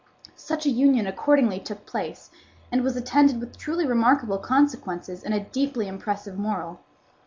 Such a union accordingly took place, and was attended with truly remarkable consequences and a deeply impressive moral.